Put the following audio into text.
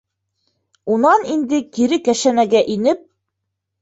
Унан инде кире кәшәнәгә инеп: